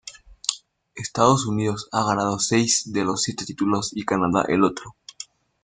Estados Unidos ha ganado seis de los siete títulos y Canadá el otro.